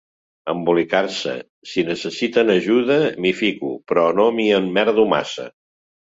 Embolicar-se: Si necessiten ajuda m'hi fico, però no m'hi emmerdo massa.